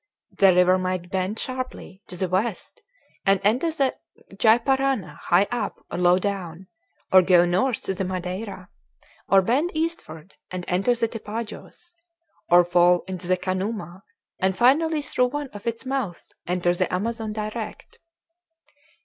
The river might bend sharply to the west and enter the Gy Parana high up or low down, or go north to the Madeira, or bend eastward and enter the Tapajos, or fall into the Canuma and finally through one of its mouths enter the Amazon direct.